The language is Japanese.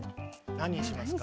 何にしますか？